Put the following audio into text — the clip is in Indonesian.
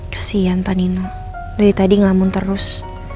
kesian pak nino dari tadi ngelamun terus